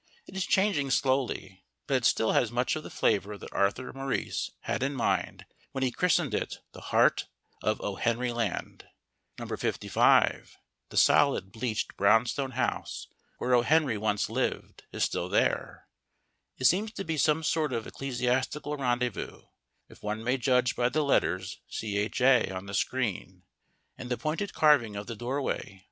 It is changing slowly, but it still has much of the flavour that Arthur Maurice had in mind when he christened It "the heart of O. Henry land." Number 55, the solid, bleached brownstone house where O. Henry once lived, is still there: it seems to be some sort of ecclesiastical rendezvous, if one may judge by the letters C.H.A. on the screen and the pointed carving of the doorway.